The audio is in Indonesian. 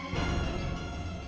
pergi ke sana